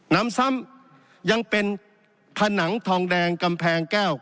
น้ำซ้ำยังเป็นผนังทองแดงกำแพงแก้ว